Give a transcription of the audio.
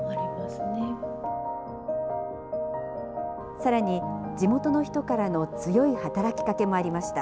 さらに、地元の人からの強い働きかけもありました。